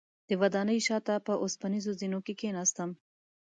د ودانۍ شاته په اوسپنیزو زینو کې کیناستم.